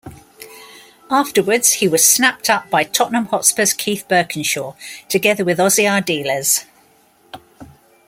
Afterwards, he was snapped up by Tottenham Hotspur's Keith Burkinshaw together with Ossie Ardiles.